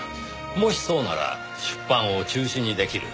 もしそうなら出版を中止にできる。